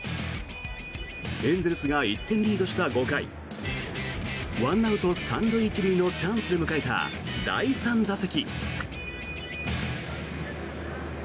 エンゼルスが１点リードした５回１アウト３塁１塁のチャンスで迎えた第３打席。